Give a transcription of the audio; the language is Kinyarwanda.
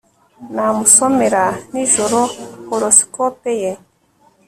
namusomera nijoro. horoscope ye